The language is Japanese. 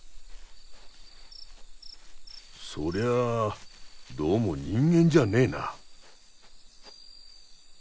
そりゃあどうも人間じゃねえな。